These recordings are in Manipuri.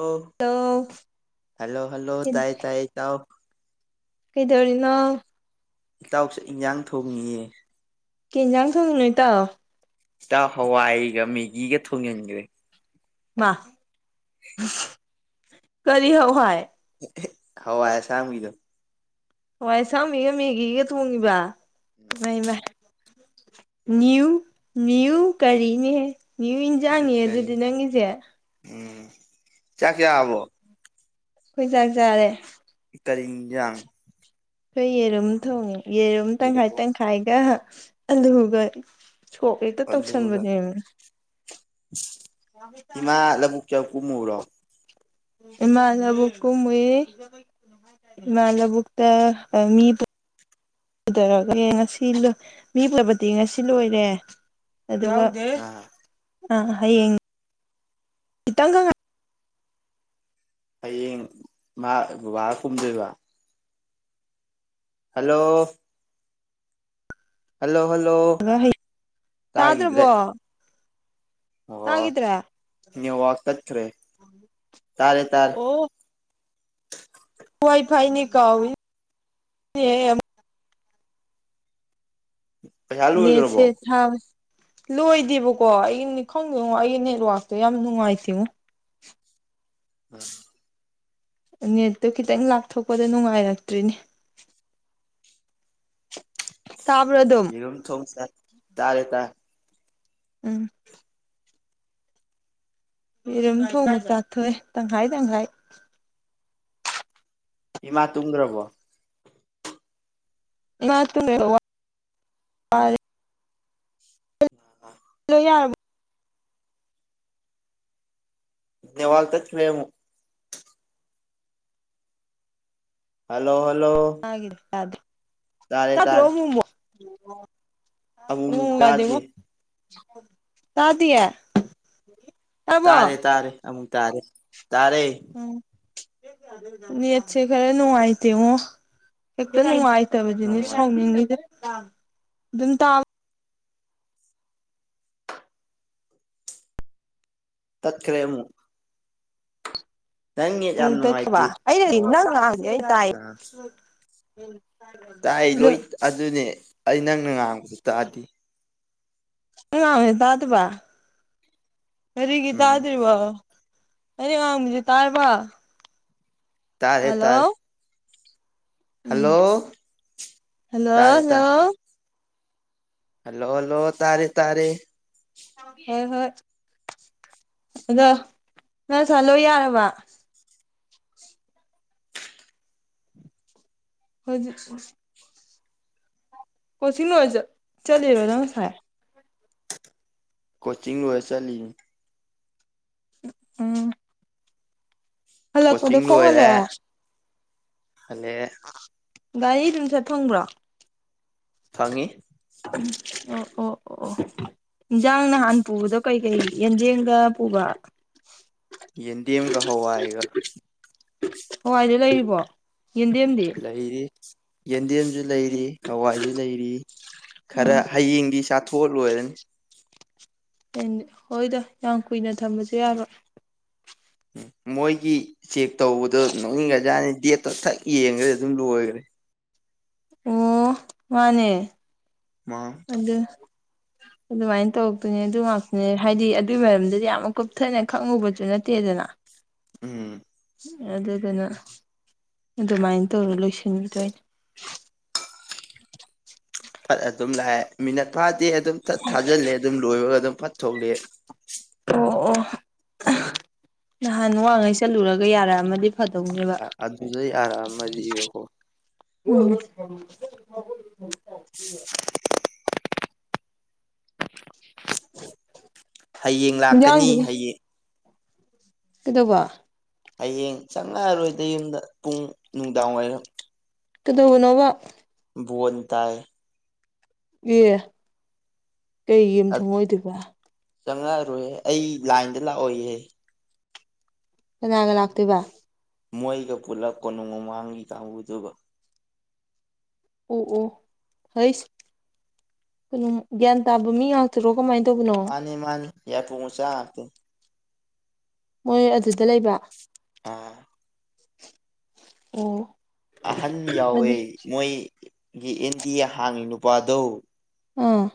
ꯑꯣ ꯍꯜꯂꯣ ꯍꯥꯜꯂꯣ ꯍꯜꯂꯣ ꯇꯥꯏꯌꯦ ꯇꯥꯏꯌꯦ ꯏꯇꯥꯎ ꯀꯩꯗꯧꯔꯤꯅꯣ ꯏꯇꯥꯎꯁꯦ ꯏꯟꯖꯥꯡ ꯊꯣꯡꯉꯤꯌꯦ ꯀꯦꯟꯖꯥꯡ ꯊꯗ ꯅꯣꯏ ꯇꯥꯎ ꯏꯁꯇ ꯍꯋꯥꯏꯒ ꯃꯦꯒꯤꯒ ꯊꯣꯡꯖꯤꯟꯒ꯭ꯔꯦ ꯋꯥ ꯀꯔꯤ ꯍꯧ ꯍꯥꯏꯏ ꯍꯋꯥ ꯌꯥꯁ ꯑꯃꯒꯗ ꯍꯋꯥꯏ ꯁꯝꯃꯤꯒ ꯃꯦꯒꯤꯒ ꯊꯣꯡꯉꯤꯕ ꯅꯤꯌꯨ ꯃꯤꯌꯨ ꯀꯔꯤꯅꯦ ꯅ꯭ꯌꯨ ꯏꯟꯖꯥꯡꯅꯦ ꯀꯔꯤ ꯑꯗꯨꯗꯤ ꯅꯪꯒꯤꯖꯦ ꯎꯝ ꯆꯌꯥ ꯀꯌꯥ ꯑꯕꯣ ꯐꯣꯏꯖꯖꯥꯔꯦ ꯀꯔꯤꯡ ꯏꯟꯖꯥꯡ ꯑꯩꯈꯣꯏ ꯌꯦꯔꯨꯝ ꯊꯣꯡꯉꯦ ꯌꯦꯔꯨꯝ ꯇꯪꯈꯥꯏ ꯌꯦꯔꯨꯝ ꯇꯪꯈꯥꯏꯒ ꯑꯒ ꯁꯣꯛ ꯍꯦꯛꯇ ꯑꯂꯨꯒ ꯇꯧꯁꯟꯕꯅꯦꯅꯦ ꯏꯃꯥ ꯂꯕꯨꯛꯇ ꯀꯨꯝꯃꯨꯔꯣ ꯃꯥꯗꯕ ꯀꯨꯝ ꯃꯣꯏ ꯃꯥꯂꯕꯨꯣꯛ ꯇ ꯃꯤ ꯀꯩꯗꯧꯔꯒꯦ ꯉꯁꯤ ꯂꯣꯏ ꯃꯤ ꯐꯕꯗꯤ ꯉꯁꯤ ꯂꯣꯏꯔꯦ ꯑꯗꯣ ꯑꯥ ꯑ ꯍꯌꯦꯡ ꯈꯤꯇꯡꯈꯛ ꯍꯌꯦꯡ ꯃꯥ ꯕꯕꯥ ꯀꯨꯝꯗꯣꯏꯕ ꯍꯜꯂꯣ ꯍꯜꯂꯣ ꯍꯜꯂꯣ ꯉꯥꯏꯔꯒ ꯇꯥꯒꯗ꯭ꯔꯦ ꯇꯥꯗ꯭ꯔꯕꯣ ꯑꯣ ꯇꯥꯈꯤꯗ꯭ꯔꯦ ꯅ ꯋꯥ꯭ꯔꯦ ꯇꯔꯦ ꯇꯔꯦ ꯑꯣ ꯋꯥꯏ ꯐꯥꯏꯅꯤ ꯀꯥꯎ ꯄꯩꯁꯥ ꯂꯣꯏꯈ꯭ꯔꯕꯣ ꯅꯦꯁꯦ ꯊ ꯂꯣꯏꯗꯦꯕꯀꯣ ꯑꯩꯅꯤ ꯈꯪꯗꯦꯉꯣ ꯑꯩꯒꯤ ꯅꯦꯠꯋꯥꯛꯇꯣ ꯌꯥꯝ ꯅꯨꯡꯉꯥꯏꯇꯦꯉꯣ ꯍꯣꯏ ꯅꯦꯠꯇꯣ ꯈꯤꯇꯪ ꯂꯥꯞꯊꯣꯛꯄꯗ ꯅꯨꯡꯉꯥꯏꯔꯛꯇ꯭ꯔꯤꯅꯦ ꯇꯥꯕ꯭ꯔꯗ ꯌꯨꯝ ꯊꯣꯡ ꯆ ꯇꯥꯔꯦ ꯇꯥꯏ ꯎꯝ ꯔꯝ ꯊꯣꯡ ꯆꯊꯣꯏꯦ ꯇꯪꯍꯥꯏ ꯇꯪꯍꯥꯏ ꯍꯤꯃꯥ ꯇꯨꯡ꯭ꯔꯔꯕꯣ [unintelligible] ꯑꯥ ꯂꯣꯏ ꯌꯥꯔ ꯅꯦꯠꯋꯥꯔꯛ ꯇꯠꯈꯔꯦ ꯑꯃꯨꯛ ꯍꯜꯂꯣ ꯍꯜꯂꯣ ꯑꯩꯒꯤꯗꯤ ꯌꯥꯗꯔꯦ ꯇꯥꯔꯦ ꯇꯥꯗ꯭ꯔꯣ ꯇꯥꯔꯦ ꯑꯃꯨꯛ ꯃꯨꯛ ꯑꯃꯨꯛ ꯃꯨꯛ ꯎꯝ ꯌꯥꯗꯦꯉꯣ ꯇꯥꯗꯦ ꯇꯥꯗꯤꯌꯥꯦ ꯇꯥꯔꯦ ꯇꯥꯔꯦ ꯑꯃꯨꯛ ꯇꯥꯔꯦ ꯇꯥꯔꯦ ꯎꯝ ꯅ°ꯠꯁ° ꯈꯔ ꯅꯨꯡꯉꯥꯏꯇꯦꯉꫭ ꯍ°ꯛꯇ ꯅꯨꯡꯉꯥꯏ ꯇꯕꯅꯤ ꯅꯨꯡꯉꯥꯏ ꯁꯥꯎꯅꯤꯡꯉꯤꯖꯦ ꯑꯗꯨꯝ ꯇꯥꯕ ꯇꯠꯈ꯭ꯔꯦ ꯑꯃꯨꯛ ꯅꯪ ꯅꯦꯠ ꯎꯝ ꯌꯥꯝ ꯇꯠꯈ꯭ꯔꯕ ꯅꯨꯡꯉꯥꯏꯇꯦ ꯑꯩ ꯅꯦꯠꯋꯥꯛ ꯅꯪ ꯉꯥꯡ ꯑꯩ ꯇꯥꯏ ꯑꯥ ꯇꯥꯏ ꯑꯗꯣ ꯂꯣꯏ ꯑꯗꯨꯅꯦ ꯑꯩ ꯅꯪꯅ ꯉꯥꯡꯕꯗꯨ ꯇꯥꯗꯤ ꯑꯩ ꯉꯥꯡꯕꯖꯦ ꯇꯥꯗꯕ ꯀꯔꯤꯒꯤ ꯎꯝ ꯇꯥꯗ꯭ꯔꯤꯕ ꯑꯩꯅ ꯉꯥꯡꯕꯖꯦ ꯇꯥꯥꯔꯕ ꯇꯥꯔꯦ ꯇꯥꯔꯦ ꯍꯜꯂꯣ ꯎꯝ ꯍꯜꯂꯣ ꯇꯥꯔꯦ ꯇꯥꯔꯦ ꯍꯜꯂꯣ ꯍꯜꯂꯣ ꯍꯜꯂꯣ ꯇꯥꯔꯦ ꯇꯥꯔꯦ ꯍꯣꯏ ꯍꯣꯏ ꯑꯗꯣ ꯅꯪ ꯉꯁꯥꯏ ꯂꯣꯏ ꯌꯥꯔꯕ ꯍꯣꯏꯖꯨ ꯀꯣꯆꯤꯡ ꯂꯣꯏ ꯆꯠꯂꯤꯔꯣ ꯅꯪ ꯉꯁꯥꯏ ꯀꯣꯆꯤꯡ ꯂꯣꯏꯔ ꯆꯠꯂꯤꯅꯤ ꯎꯝ ꯍꯜꯂꯛꯄꯗ ꯀꯣꯆꯤꯡ ꯈꯣꯡ ꯍꯜꯂꯛꯑꯦ ꯂꯣꯏꯔꯦ ꯍꯥꯜꯂꯦ ꯒꯥꯔꯤ ꯑꯗꯨꯝ ꯆꯠ ꯐꯪꯕ꯭ꯔꯣ ꯐꯪꯉꯤ ꯎꯝ ꯑꯣ ꯑꯣ ꯑꯣ ꯑꯣ ꯏꯟꯖꯥꯡ ꯅꯍꯥꯟ ꯄꯨꯕꯗꯣ ꯀꯩ ꯀꯩ ꯌꯦꯟꯗꯦꯝꯒ ꯄꯨꯕ ꯌꯦꯟꯗꯦꯝꯒ ꯍꯋꯥꯏꯒ ꯍꯏꯗꯣ ꯂꯩꯔꯤꯕꯣ ꯌꯦꯟꯗꯦꯝꯗꯤ ꯂꯩꯔꯤ ꯌꯦꯟꯗꯦꯝꯖꯨ ꯂꯩꯔꯤ ꯍꯋꯥꯏꯖꯨ ꯂꯩꯔꯤ ꯈꯔ ꯎꯝ ꯍꯌꯦꯡꯗꯤ ꯆꯥꯛ ꯊꯣ ꯂꯣꯏꯔꯅꯤ ꯍꯣꯏꯗ ꯌꯥꯝ ꯀꯨꯏꯅ ꯊꯝꯕꯖꯨ ꯌꯥꯔꯣꯏ ꯎꯝ ꯃꯣꯏꯒꯤ ꯆꯦꯛ ꯇꯧꯕꯗꯣ ꯅꯣꯛꯅꯤꯡꯒꯖꯥꯠꯅꯤ ꯗꯦꯠꯇꯣ ꯊꯛ ꯌꯦꯡꯒ꯭ꯔꯦ ꯑꯗꯨꯝ ꯂꯣꯏꯒ꯭ꯔꯦ ꯑꯣ ꯃꯥꯅꯦ ꯃꯥ ꯑꯗꯨ ꯑꯗꯨꯃꯥꯏ ꯇꯧꯔꯛꯇꯣꯏꯅꯦ ꯑꯗꯨ ꯉꯥꯛꯇꯅꯦ ꯍꯥꯏꯗꯤ ꯑꯗꯨꯏ ꯃꯔꯝꯗꯗꯤ ꯌꯥꯝ ꯀꯨꯞꯊꯅ ꯈꯪꯉꯨꯕꯖꯨ ꯅꯠꯇꯦꯗꯅ [inaudible] ꯎꯝ ꯑꯗꯨꯗꯨꯅ ꯑꯗꯨꯃꯥꯏꯅ ꯇꯧꯔ ꯂꯣꯏꯁꯤꯟꯕꯤꯗꯣꯏꯅꯦ ꯐꯠ ꯑꯗꯨꯝ ꯂꯥꯛꯑꯦ ꯃꯤꯅꯠ ꯐꯥꯗꯤ ꯑꯗꯨꯝ ꯐꯠ ꯊꯥꯖꯤꯜꯂꯦ ꯑꯗꯨꯝ ꯂꯣꯏꯔꯒ ꯑꯗꯨꯝ ꯐꯠ ꯊꯣꯛꯂꯦ ꯑꯣ ꯑꯣ ꯅꯍꯥꯟ ꯋꯥꯡꯉꯩ ꯆꯠꯂꯨꯔꯒ ꯌꯥꯔꯛꯑꯝꯃꯗꯤ ꯑꯗꯨꯗ ꯌꯥꯔꯥꯃꯗꯤꯕꯀꯣ ꯎꯝ [unintelligible] ꯍꯌꯦꯡ ꯂꯥꯛꯀꯅꯤ ꯏꯟꯖꯥꯡꯗꯨꯕꯨ ꯍꯥꯌꯦꯡ ꯀꯩꯗꯧꯕ ꯍꯌꯦꯡ ꯆꯪꯉꯥꯔꯣꯏꯗ ꯌꯨꯝꯗ ꯄꯨꯡ ꯅꯨꯡꯗꯥꯡꯋꯥꯏꯔꯝ ꯀꯗꯧꯕꯅꯣꯕ ꯕꯣꯟ ꯇꯥꯏ ꯑꯦ ꯀꯩ ꯌꯦ ꯊꯨꯡꯉꯣꯏꯗꯣꯏꯕ ꯆꯪꯉꯛꯔꯣꯏꯍꯦ ꯑꯩ ꯂꯥꯏꯟꯗ ꯂꯥꯛꯑꯣꯍꯦ ꯀꯅꯥꯒ ꯂꯥꯛꯇꯨꯏꯕ ꯃꯣꯏꯒ ꯄꯨꯜꯂꯞ ꯀꯣꯅꯨꯡꯃꯥꯡꯒꯤ ꯀꯥꯡꯕꯨꯗꯨꯕ ꯑꯣ ꯑꯣ ꯐꯩꯁ ꯀꯩꯅꯣ ꯒ꯭ꯌꯥꯟ ꯇꯥꯕ ꯃꯤ ꯉꯥꯛꯇ ꯀꯃꯥꯏ ꯇꯧꯕ ꯃꯥꯅꯤ ꯃꯥꯅꯤ ꯌꯥ ꯄꯆꯥ ꯃꯣꯏ ꯑꯗꯨꯗ ꯂꯩꯕ ꯑ ꯑꯣ ꯑꯍꯟ ꯌꯥꯎꯋꯦ ꯑꯗꯨ ꯃꯣꯏꯒꯤ ꯑꯦꯟꯗꯤ ꯍꯥꯡꯉꯤ ꯅꯨꯄꯥꯗꯣ ꯎꯝ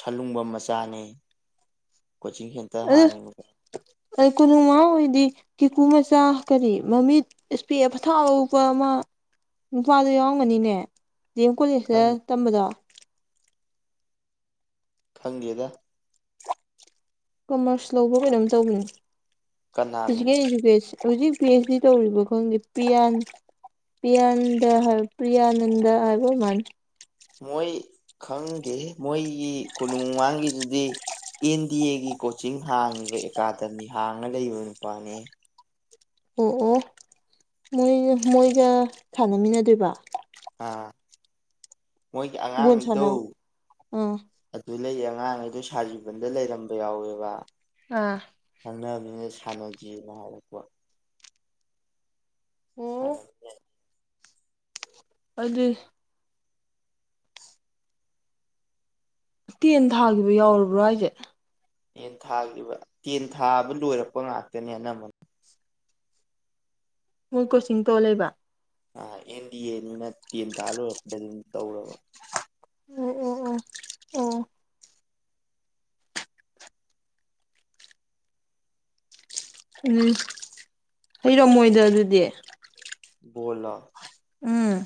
ꯁꯜꯂꯨꯡꯕ ꯃꯆꯥꯅꯦ ꯀꯣꯆꯤꯡ ꯁꯦꯟꯇꯔ ꯍꯥꯡꯉꯤ ꯃ ꯑ ꯀꯅ ꯃꯥ ꯑꯣꯏꯗꯤ ꯀꯦꯀꯨ ꯃꯆꯥ ꯀꯔꯤ ꯃꯃꯤꯠ ꯏꯁꯄꯦ ꯄꯊꯥꯎꯧꯕ ꯑꯃ ꯏꯝꯐꯥꯜꯗꯣ ꯌꯥꯎꯔꯝꯒꯅꯤꯅꯦ ꯗꯤ ꯑꯦꯝ ꯀꯣꯂꯦꯖꯇ ꯇꯝꯕꯗꯣ ꯈꯪꯒꯦꯗ ꯀꯃꯔꯁ ꯂꯧꯕ ꯀꯩꯅꯣꯝ ꯇꯧꯕꯅꯤ ꯀꯅꯥꯅꯣ ꯐꯤꯖꯤꯀꯦꯜ ꯏꯗꯨꯀꯦꯁꯟ ꯍꯧꯖꯤꯛ ꯄꯤ ꯑꯩꯆ ꯗꯤ ꯇꯧꯔꯤꯕ ꯈꯪꯗꯦ ꯄꯤꯌꯥꯟ ꯄ꯭ꯌꯥꯅꯟꯗ ꯍꯥꯏ ꯄ꯭ꯔꯤꯌꯥꯅꯟꯗ ꯍꯥꯏꯕꯃꯟ ꯃꯣꯏ ꯈꯪꯗꯦ ꯃꯣꯏꯒꯤ ꯀꯣꯅꯨꯡꯃꯥꯡꯒꯤꯗꯨꯗꯤ ꯑꯦꯟ ꯗꯤ ꯑꯦꯒꯤ ꯀꯣꯆꯤꯡ ꯍꯥꯡꯉꯤꯕ ꯑꯦꯀꯥꯗꯃꯤ ꯍꯥꯡꯉ ꯂꯩꯕ ꯅꯨꯄꯥꯅꯦ ꯑꯣ ꯑꯣ ꯃꯣꯏꯒ ꯃꯣꯏꯒ ꯁꯥꯟꯅꯃꯤꯟꯅꯗꯣꯏꯕ ꯑ ꯃꯣꯏꯒꯤ ꯑꯉꯥꯡ ꯕꯣꯜ ꯁꯥꯟꯅꯧ ꯏꯊꯧ ꯑꯥ ꯑꯗꯨ ꯂꯩꯌꯦ ꯑꯉꯥꯡꯈꯩꯗꯣ ꯁꯥꯖꯤꯕꯟꯗ ꯂꯩꯔꯝꯕ ꯌꯥꯎꯋꯦꯕ ꯑꯥ ꯈꯪꯅꯕꯅꯤꯅ ꯁꯥꯟꯅꯖꯦꯅ ꯍꯥꯏꯔꯛꯄ ꯍꯦ ꯑꯣ ꯑꯗꯨ ꯇꯦꯟ ꯊꯥꯈꯤꯕ ꯌꯥꯎꯔꯕ꯭ꯔꯥ ꯑꯩꯁꯦ ꯌꯦꯟ ꯊꯥꯈꯤꯕ ꯇꯦꯟ ꯊꯥꯕ ꯂꯣꯏꯔꯛꯄ ꯉꯥꯛꯇꯅꯦ ꯑꯅꯝꯕꯅ ꯃꯣꯏ ꯀꯣꯆꯤꯡ ꯇꯣ ꯂꯩꯦꯕ ꯑꯥ ꯑꯦꯟ ꯗꯤ ꯑꯦ ꯅꯤꯅ ꯇꯦꯟ ꯇꯥ ꯂꯣꯏꯔꯛꯄꯗ ꯑꯗꯨꯝ ꯇꯧꯔꯕ ꯎꯝ ꯑꯣ ꯑꯣ ꯑꯣ ꯎꯝ ꯍꯩꯔꯣ ꯃꯣꯏꯗ ꯑꯗꯨꯗꯤ ꯕꯣꯂ ꯎꯝ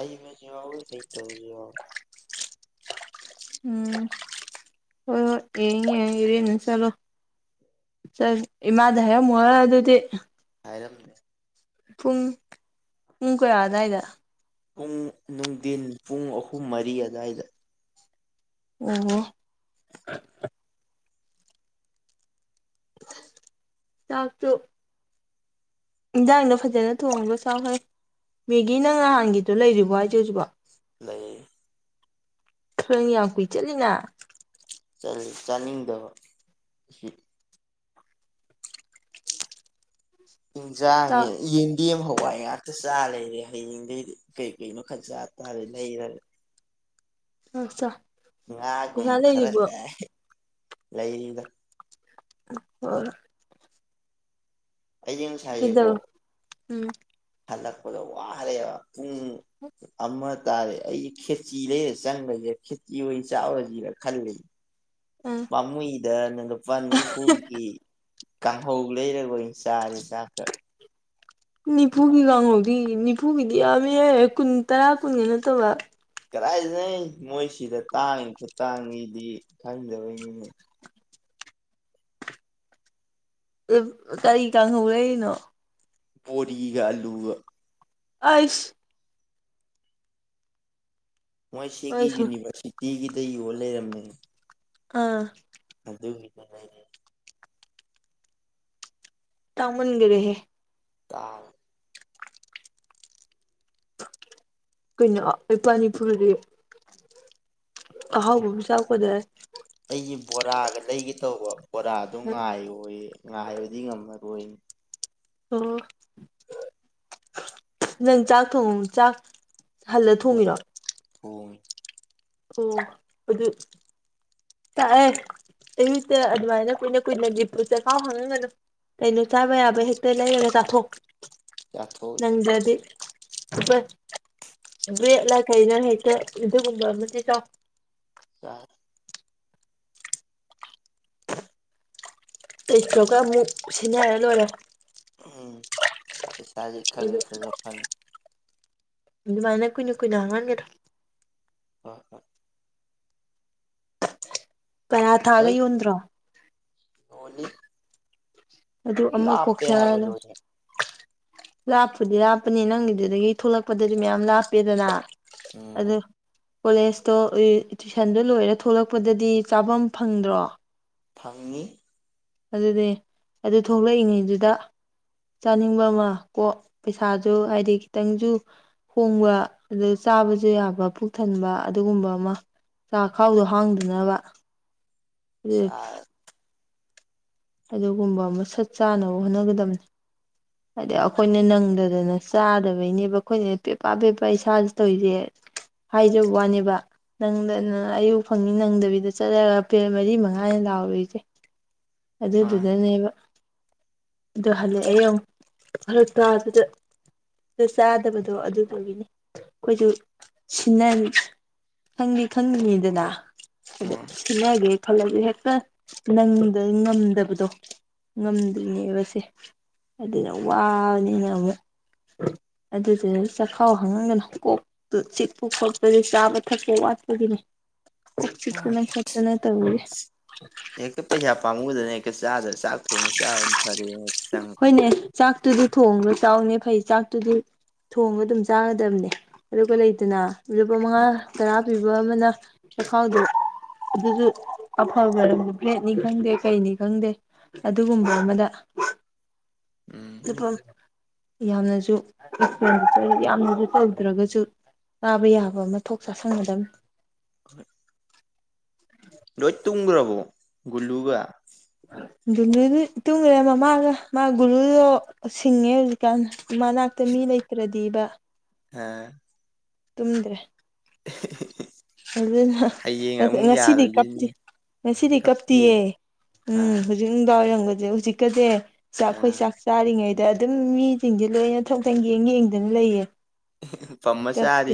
ꯍꯩꯕꯁꯨ ꯌꯥꯎꯌꯤ ꯍꯩꯇꯕꯁꯨ ꯌꯥꯎꯌꯤ ꯎꯝ ꯍꯣꯏ ꯍꯣꯏ ꯌꯦꯡꯉ ꯌꯦꯡꯉ ꯏꯔꯦꯟꯖꯅ ꯆꯠꯂꯣ ꯏꯃꯥꯗ ꯍꯥꯏꯔꯝꯃꯨꯍꯦ ꯑꯗꯨꯗꯤ ꯍꯥꯏꯔꯝ ꯄꯨꯡ ꯄꯨꯡ ꯀꯌꯥ ꯑꯗꯥꯏꯗ ꯄꯨꯡ ꯅꯨꯡꯊꯤꯟ ꯄꯨꯡ ꯑꯍꯨꯝ ꯃꯔꯤ ꯑꯗꯨꯋꯥꯏꯗ ꯑꯣ ꯆꯥꯛꯇꯣ ꯏꯟꯖꯥꯡꯗꯣ ꯐꯖꯅ ꯊꯣꯡꯉꯒ ꯆꯥꯎꯍꯦ ꯃꯦꯒꯤꯅ ꯉꯍꯥꯟꯒꯤꯗꯣ ꯂꯩꯔꯤꯕꯣ ꯍꯥꯏꯖꯦ ꯍꯧꯖꯤꯛꯐꯥꯎ ꯂꯩ ꯅꯪꯗꯤ ꯌꯥꯝ ꯀꯨꯏ ꯆꯠꯂꯤꯅ ꯆꯠꯂ ꯆꯥꯅꯤꯡꯗꯕ ꯑꯁꯤ ꯆꯥ ꯍꯤꯟꯖꯥꯡꯅꯤ ꯌꯦꯟ ꯃꯤ ꯑꯃ ꯍꯋꯥꯏ ꯉꯥꯛꯇ ꯆꯥꯂꯩꯔꯦ ꯍꯌꯦꯡꯗꯒꯩꯗꯤ ꯀꯩꯀꯩ ꯃꯈꯜ ꯆꯥ ꯇꯥꯔꯦ ꯂꯩꯔꯒ ꯑꯆꯥ ꯉꯥꯒꯨꯝꯕ ꯈꯔ ꯀꯥꯏ ꯂꯩꯔꯤꯗ ꯍꯣꯏ ꯍꯣꯏ ꯑꯩꯁꯦ ꯉꯁꯥꯏꯁꯦꯀꯣ [unintelligible] ꯎꯝ ꯍꯜꯂꯛꯄꯗ ꯋꯥꯔꯦ ꯄꯨꯡ ꯑꯃ ꯇꯥꯔꯦ ꯑꯩ ꯈꯦꯆꯤ ꯂꯩꯔ ꯆꯪꯒꯔꯁꯤꯔ ꯈꯦꯆꯤ ꯑꯣꯏꯅ ꯆꯥꯎꯔꯨꯔꯁꯤꯔ ꯈꯜꯂꯤ [unintelligible] ꯄꯥꯃꯨꯏꯗ ꯅ ꯂꯨꯄꯥ ꯅꯤꯐꯨꯒꯤ ꯀꯥꯡꯍꯧ ꯂꯩꯔꯔꯣꯏ ꯆꯥ ꯆꯥꯛꯈ ꯅꯤꯐꯨꯒꯤ ꯀꯥꯡꯍꯧꯗꯤ ꯅꯤꯐꯨꯒꯤꯗꯤ ꯌꯥꯝꯃꯤꯍꯦ ꯀꯨꯟ ꯇꯔꯥ ꯀꯨꯟꯒ ꯅꯠꯇꯕ ꯀꯗꯥꯥꯏꯗꯩꯩꯅꯣꯍꯦ ꯃꯣꯏ ꯁꯤꯗ ꯇꯥꯡꯉꯤ ꯈꯨꯇꯥꯡꯖꯤꯗꯤ ꯈꯪꯗꯕꯩꯅꯤꯅꯦ ꯀꯔꯤ ꯀꯥꯡꯍꯧꯔꯏꯅꯣ ꯕꯣꯔꯤꯒ ꯑꯜꯂꯨꯒ [unintelligible] ꯃꯣꯏ ꯁꯤꯒꯤ ꯑꯩꯁꯨ ꯌꯨꯅꯤꯚꯔꯁꯤꯇꯤꯒꯤꯗ ꯌꯣꯟ ꯂꯩꯔꯝꯃꯦ ꯑꯥ [unintelligible] ꯇꯥꯃꯟꯒꯔꯦꯍꯦ ꯇꯥ ꯀꯩꯅꯣ ꯂꯨꯄꯥꯅꯤꯐꯨ ꯗꯨꯗꯤ ꯑꯍꯥꯎꯕꯕꯨ ꯆꯥꯕ ꯀꯩꯗꯧꯋꯦ ꯍꯥꯏꯅꯣ ꯑꯩꯒꯤ ꯕꯣꯔꯥꯒ ꯂꯩꯒꯦ ꯇꯧꯕ ꯕꯣꯔꯥꯗꯣ ꯉꯥꯏꯌꯣꯌꯦ ꯉꯥꯏꯕꯗꯤ ꯉꯝꯃꯔꯣꯏ ꯑꯣ ꯅꯪ ꯆꯥꯛ ꯊꯣꯡ ꯆꯥꯛ ꯍꯜꯂ ꯊꯣꯡꯉꯤꯔꯣ ꯑꯣ ꯑꯣ ꯑꯗꯨ ꯇꯛꯑꯦ ꯑꯩꯃꯤꯠꯇ ꯑꯗꯨꯃꯥꯏꯅ ꯀꯨꯏꯅ ꯀꯨꯏꯅꯒꯤ ꯄꯨ ꯆꯈꯥꯎ ꯍꯥꯡꯍꯟꯒꯅꯨ ꯀꯩꯅꯣ ꯆꯥꯕ ꯌꯥꯕ ꯍꯦꯛꯇ ꯂꯩꯔꯒ ꯆꯥꯊꯣꯛ ꯆꯥꯊꯣꯛꯏ ꯅꯪꯗ꯭ꯔꯗꯤ ꯕꯠ ꯕ꯭ꯔꯦꯠꯂ ꯀꯩꯅ ꯍꯦꯛꯇ ꯑꯗꯨꯒꯨꯝꯕ ꯑꯃꯗꯤ ꯆꯥꯎ ꯌꯥꯠ ꯂꯩꯇ꯭ꯔꯒ ꯑꯃꯨꯛ ꯁꯤꯟꯅꯔ ꯂꯣꯏꯔꯦ ꯎꯝ ꯄꯩꯁꯥꯖꯦ ꯈꯒ ꯑꯗꯨ ꯈꯒ ꯐꯪꯉꯤ ꯑꯗꯨꯃꯥꯏꯅ ꯀꯨꯏꯅ ꯀꯨꯏꯅ ꯍꯥꯡꯍꯟꯒꯗ꯭ꯔꯣ ꯍ ꯑ ꯄꯔꯊꯥꯒ ꯂꯣꯏ ꯌꯣꯟꯗ꯭ꯔꯣ [unintelligible] ꯑꯗꯨ ꯑꯃ ꯀꯣꯛ ꯂꯥꯞꯄꯦ ꯍꯥꯏꯕ ꯆꯥꯔꯒ ꯂꯣꯏꯅ ꯂꯥꯞꯄꯨꯗꯤ ꯂꯥꯞꯄꯅꯤ ꯅꯪꯒꯤꯗꯨꯗꯒꯤ ꯊꯣꯛꯂꯛꯄꯗꯗꯤ ꯃꯌꯥꯝ ꯂꯥꯞꯄꯦꯗꯅ ꯎꯝ ꯑꯗꯨ ꯀꯣꯂꯦꯖꯇꯣ ꯎꯏ ꯇꯨꯏꯁꯟꯗꯣ ꯂꯣꯏꯔ ꯊꯣꯛꯂꯛꯄꯗꯗꯤ ꯆꯥꯕꯝ ꯐꯪꯗ꯭ꯔꯣ ꯐꯪꯏꯉꯤ ꯑꯗꯨꯅꯦ ꯑꯗꯨ ꯊꯣꯛꯂꯛꯏꯉꯩꯗꯨꯗ ꯆꯥꯅꯤꯡꯕ ꯑꯃ ꯀꯣ ꯄꯩꯁꯥꯁꯨ ꯍꯥꯏꯗꯤ ꯈꯤꯇꯪꯁꯨ ꯍꯣꯡꯕ ꯑꯗꯩ ꯆꯥꯕꯁꯨ ꯌꯥꯕ ꯄꯨꯛ ꯊꯟꯕ ꯑꯗꯨꯒꯨꯝꯕ ꯑꯃ ꯆꯥꯈꯥꯎꯗꯣ ꯍꯥꯡꯗꯅꯕ ꯆꯥꯛ ꯑꯗꯨꯒꯨꯝꯕ ꯑꯃ ꯁꯠ ꯆꯥꯅꯕ ꯍꯣꯠꯅꯒꯗꯝꯕꯅꯤ ꯍꯥꯏꯗꯤ ꯑꯩꯈꯣꯏꯅ ꯅꯪꯗꯗꯅ ꯆꯥꯗꯕꯩꯅꯦꯕ ꯑꯩꯈꯣꯏꯅ ꯄꯦꯄ ꯄꯦꯄ ꯏꯁꯥꯁꯨ ꯇꯧꯔꯤꯁꯦ ꯍꯥꯏꯖꯕ ꯋꯥꯅꯦꯕ ꯅꯪꯗꯅ ꯑꯌꯨꯛ ꯐꯪꯉꯤ ꯅꯪꯗꯕꯤꯗ ꯆꯠꯂꯒ ꯄꯦ ꯃꯔꯤ ꯃꯉꯥꯅꯤ ꯂꯥꯎꯔꯨꯏꯖꯦ ꯃꯥꯅꯤ ꯑꯗꯨꯗꯨꯅꯅꯦꯕ ꯑꯗꯨ ꯍꯜꯂꯛꯑꯦ ꯑꯃꯨꯛ [unintelligible] ꯑꯗꯨ ꯆꯥꯗꯕꯗꯣ ꯑꯗꯨꯗꯨꯒꯤꯅꯤ ꯑꯩꯈꯣꯏꯖꯨ ꯁꯤꯟꯅꯔꯤ ꯈꯪꯗꯤ ꯈꯪꯒꯅꯤꯗꯅ ꯑꯗꯨ ꯃꯥꯅꯤ ꯁꯤꯟꯅꯒꯦ ꯈꯜꯂꯁꯨ ꯍꯦꯛꯇ ꯅꯪꯗ ꯉꯝꯗꯕꯗꯣ ꯉꯝꯗ ꯅꯤꯕꯁꯦ ꯑꯗꯨꯅ ꯋꯥꯕꯅꯤꯅ ꯑꯃꯨꯛ ꯑꯗꯨꯗ ꯆꯈꯥꯎ ꯍꯪꯉꯒꯅ ꯀꯣꯛ ꯆꯤꯛꯄ ꯈꯣꯠꯄꯗꯤ ꯆꯥꯕ ꯊꯛꯄ ꯋꯥꯠꯄꯒꯤꯅꯦ ꯀꯣꯛ ꯃꯥꯅꯤ ꯆꯤꯛꯇꯅ ꯈꯣꯠꯇꯅ ꯇꯧꯔꯤꯌꯦ ꯍꯦꯛꯇ ꯄꯩꯁꯥ ꯄꯥꯝꯨꯗꯅ ꯍꯦꯛꯇ ꯆꯥꯗꯅ ꯆꯥꯛ ꯊꯣꯡꯉꯒ ꯆꯥꯕ ꯐꯔꯦꯅ ꯆꯪꯉꯛꯄ ꯍꯣꯏꯅꯦ ꯆꯥꯛꯇꯨꯗꯤ ꯊꯣꯡꯉꯒ ꯆꯥꯎꯅꯦ ꯐꯩ ꯆꯥꯛꯇꯨꯗꯤ ꯊꯣꯡꯒ ꯑꯗꯨꯝ ꯆꯥꯒꯗꯕꯅꯦ ꯑꯗꯨꯒ ꯂꯩꯇꯅ ꯂꯨꯄꯥ ꯃꯉꯥ ꯎꯝ ꯇꯔꯥ [unintelligible] ꯑꯃꯅ ꯆꯈꯥꯎꯗꯣ ꯑꯗꯨꯖꯨ ꯑꯐꯕꯔꯝꯗ ꯐ꯭ꯂꯦꯠꯅꯤ ꯈꯪꯗꯦ ꯀꯩꯅꯤ ꯈꯪꯗꯦ ꯑꯗꯨꯒꯨꯝꯕ ꯑꯃꯗ ꯎꯝ ꯑ ꯌꯥꯝꯅꯖꯨ ꯑꯦꯛꯁꯄꯦꯟꯗꯤꯆꯔ ꯌꯥꯝꯅꯖꯨ ꯇꯧꯗ꯭ꯔꯒꯁꯨ ꯆꯥꯕ ꯌꯥꯕ ꯑꯃꯊꯣꯛ ꯆꯥꯁꯤꯟꯒꯗꯝꯕꯅꯤ [unintelligible] ꯂꯣꯏ ꯇꯨꯝꯒ꯭ꯔꯕꯣ ꯒꯨꯜꯂꯨꯒ ꯗꯤꯅꯦꯗꯤ ꯇꯨꯝꯒꯔꯦ ꯃꯃꯥꯒ ꯃꯥ ꯒꯨꯂꯨꯗꯣ ꯁꯤꯡꯉꯦ ꯍꯧꯖꯤꯛ ꯃꯅꯥꯛꯇ ꯃꯤ ꯂꯩꯇ꯭ꯔꯗꯤꯕ ꯍꯥꯥ ꯇꯨꯝꯗ꯭ꯔꯦ ꯑꯗꯨꯅ ꯍꯌꯦꯡ ꯑꯃꯨꯛ ꯉꯁꯤꯗꯤ ꯌꯥꯔꯣꯏꯗꯣꯏꯅꯤ ꯀꯞꯇ° ꯉꯁꯤꯗꯤ ꯈꯞꯇꯤꯌꯦ ꯀꯞꯇꯤꯌꯦ ꯎꯝ ꯑꯥ ꯍꯧꯖꯤꯛ ꯅꯨꯡꯗꯥꯡ ꯋꯥꯏꯔꯝꯒꯖꯦ ꯍꯧꯖꯤꯛꯀꯗꯤ ꯆꯥꯛ ꯑꯩꯈꯣꯏ ꯑꯥ ꯆꯥꯛ ꯆꯥꯔꯤꯉꯩ ꯑꯗ ꯑꯗꯨꯝ ꯃꯤꯁꯤꯡꯁꯦ ꯂꯣꯏꯅ ꯊꯣꯛ-ꯊꯣꯛ ꯌꯦꯡ ꯌꯦꯡꯗꯅ ꯂꯩꯌꯦ ꯄꯝꯃꯩ ꯇꯞꯇꯦ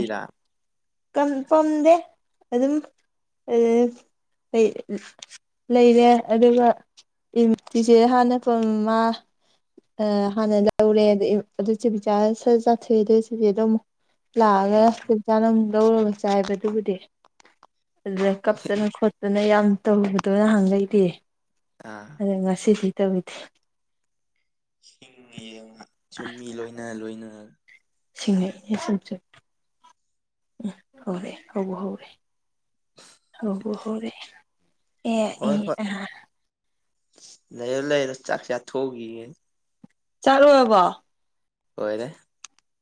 ꯄꯝꯗꯦ ꯑꯗꯨꯝꯩ-inaudible ꯂꯩꯔꯦ ꯑꯗꯨꯒ ꯇꯤꯝ ꯇꯤꯁꯦ ꯍꯥꯟꯅ ꯐꯪꯃ ꯑ ꯍꯥꯟꯅ ꯂꯧꯔꯦ ꯑꯗꯨ ꯆꯤꯕꯤ inaudible ꯆꯥꯊꯣꯛꯑꯦ ꯑꯗꯨ inaudible ꯑꯗꯨꯝ ꯂꯥꯛꯑꯒ ꯎꯝ ꯀꯩ ꯀꯥꯔꯝ ꯂꯧꯔꯒ ꯆꯥꯏꯕ ꯑꯗꯨꯕꯨꯗꯤ ꯑꯗꯨꯗ ꯀꯞꯇꯅ ꯈꯣꯠꯇꯅ ꯌꯥꯝ ꯇꯧꯕꯗꯣ ꯅꯍꯥꯟ ꯒꯩꯗꯤ ꯑꯥ ꯑꯗꯨ ꯉꯁꯤꯗꯤ ꯇꯧꯒꯤꯗꯦ [unintelligible] ꯃꯤ ꯂꯣꯏꯅ ꯂꯣꯏꯅ ꯁꯤꯡꯑꯩꯅꯦ ꯁꯤꯝꯁꯨ [unintelligible] ꯍꯧꯔꯦ [unintelligible] ꯍꯧꯔꯦ ꯑꯦ ꯍꯣꯏ ꯑꯦ ꯍꯣꯏ ꯑꯍꯥ ꯂꯩꯔꯣ ꯂꯩꯔꯣ ꯆꯥꯛ ꯆꯥꯊꯣꯛꯎꯒꯤꯒꯦ ꯆꯥꯛ ꯂꯣꯏꯔꯕꯣ ꯂꯣꯏꯔꯦ